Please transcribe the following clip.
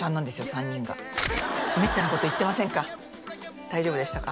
３人がめったなこと言ってませんか大丈夫でしたか？